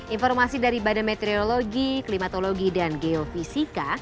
informasi dari badan meteorologi klimatologi dan geofisika